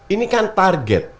ini silakan target